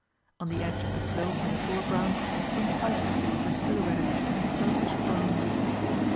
On the edge of the slope in the foreground some cypresses were silhouetted in purplish bronze.